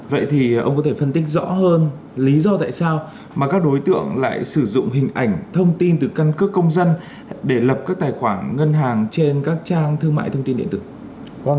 vậy thì ông có thể phân tích rõ hơn lý do tại sao mà các đối tượng lại sử dụng hình ảnh thông tin từ căn cước công dân để lập các tài khoản ngân hàng trên các trang thương mại thông tin điện tử